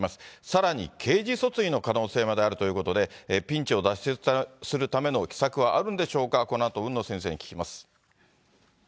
さらに刑事訴追の可能性まであるということで、ピンチを脱出するための奇策はあるんでしょうか、このあと海野先生に聞きます。